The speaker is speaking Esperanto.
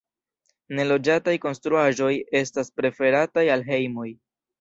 Neloĝataj konstruaĵoj estas preferataj al hejmoj.